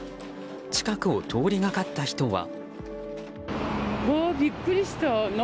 近くを通りがかった人は。